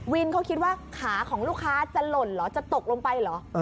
เขาคิดว่าขาของลูกค้าจะหล่นเหรอจะตกลงไปเหรอ